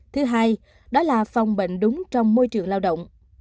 thứ hai đó là phòng bệnh đúng trong môi trường lao động